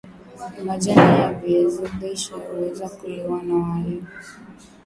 Majani ya viazi lishe huweza kuliwa kwa wali